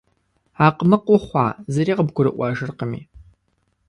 Акъмыкъ ухъуа, зыри къыбгурыӏуэжыркъыми?